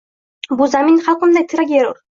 Bu zamin xalqimning tiragi erur